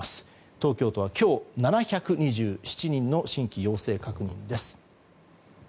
東京都は今日７２７人の新規陽性確認です。